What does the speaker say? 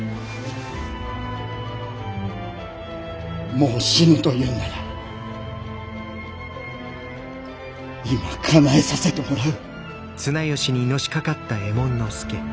もう死ぬというんなら今かなえさせてもらう。